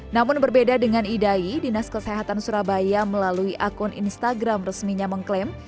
namun berbeda dengan idai dinas kesehatan surabaya melalui akun instagram resminya mengklaim